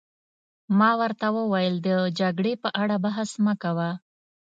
ما ورته وویل: د جګړې په اړه بحث مه کوه.